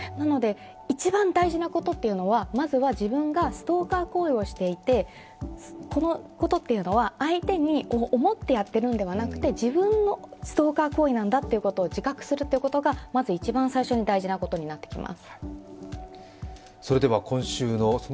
一番大事なことは、まずは自分がストーカー行為をしていてこのことは相手を思ってやってるのではなくて、自分のストーカー行為なんだということを自覚することがまず一番最初に大事なことになってきます。